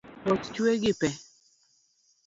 Koth chwe gi pee.